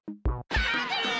ハングリー！